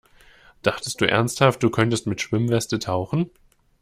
Dachtest du ernsthaft, du könntest mit Schwimmweste tauchen?